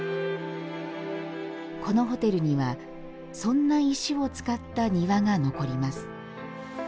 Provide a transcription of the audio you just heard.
このホテルにはそんな石を使った庭が残ります。